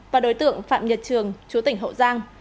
và đối tượng phạm nhật trường chú tỉnh hậu giang